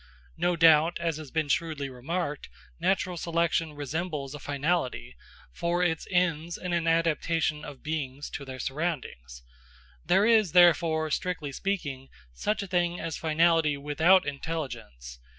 No doubt, as has been shrewdly remarked, natural selection resembles a finality, for it ends in an adaptation of beings to their surroundings. There is therefore, strictly speaking, such a thing as finality without intelligence.